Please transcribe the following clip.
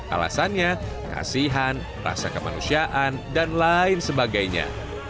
alasannya kasihan rasa kemanusiaan dan lain sebagainya